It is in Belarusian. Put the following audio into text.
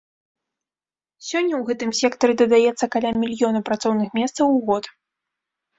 Сёння ў гэтым сектары дадаецца каля мільёна працоўных месцаў у год.